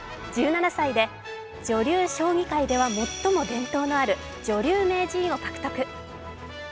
１７歳で女流将棋界では最も伝統のある、女流名人を獲得。